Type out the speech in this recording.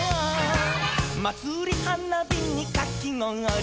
「まつりはなびにカキごおり」